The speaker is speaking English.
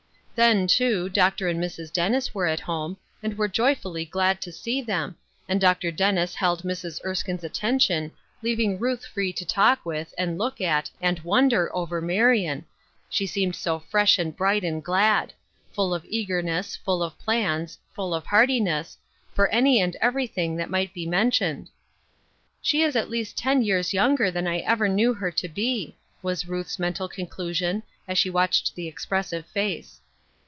Then, too, Dr. and Mrs. Dennis were at home, and were joyfully glad to see them, and Dr. Den nis held Mrs. Erskine's attention, leaving Ruth free to talk with, and look at, and wonder over Marion, she seemed so fresh and bright and glad ; full of eagerness, full of plans, full of heartiness, for any and everything that might be men tioned. "She is at least ten years younger than I ever knew her to be," was Ruth's mental conclusion as she watched the expressive face.